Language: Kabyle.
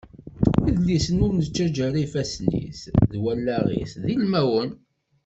Idlisen ur nettaǧa ara ifassen-is d wallaɣ-is d ilmawen.